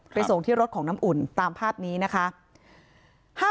ส่งที่รถของน้ำอุ่นตามภาพนี้นะคะ